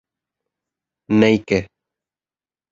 ¡Néike!